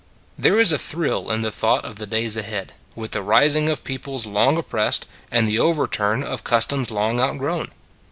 There is a thrill in the thought of the days ahead with the rising of peoples long oppressed, and the overturn of cus toms long outgrown.